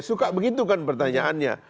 suka begitu kan pertanyaannya